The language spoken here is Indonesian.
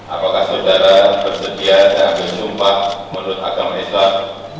apakah saudara bersedia dan bersumpah menurut agama islam